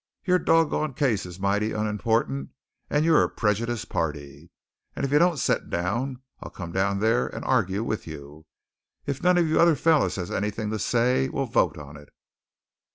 Your dog gone case is mighty unimportant and you're a prejudiced party. And if you don't set down, I'll come down there and argue with you! If none of you other fellows has anything to say, we'll vote on it."